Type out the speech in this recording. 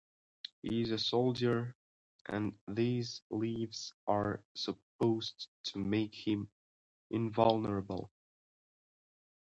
He is a soldier, and these leaves are supposed to make him invulnerable.